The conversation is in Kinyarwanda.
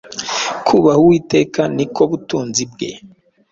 kubaha Uwiteka ni ko butunzi bwe